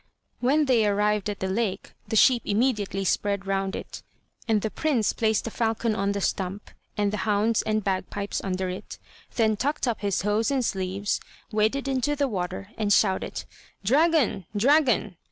When they arrived at the lake, the sheep immediately spread round it, and the prince placed the falcon on the stump, and the hounds and bagpipes under it, then tucked up his hose and sleeves, waded into the water, and shouted: "Dragon! dragon!